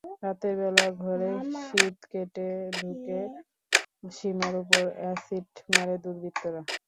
রাতের বেলা ঘরে সিঁদ কেটে ঢুকে সীমার ওপর অ্যাসিড মারে দুর্বৃত্তরা।